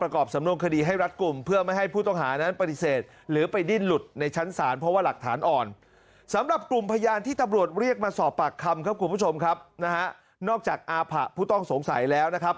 ขอบคุณผู้ชมครับนอกจากอาผะผู้ต้องสงสัยแล้วนะครับ